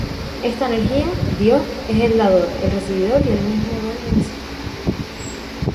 Esta energía, Dios, es el dador, el recibidor y el mismo don en sí.